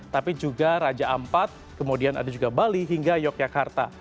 tapi juga raja ampat kemudian ada juga bali hingga yogyakarta